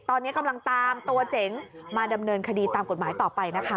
ตอนนี้กำลังตามตัวเจ๋งมาดำเนินคดีตามกฎหมายต่อไปนะคะ